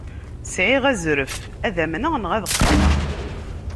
Sɛiɣ azref ad amneɣ neɣ ad qqimeɣ.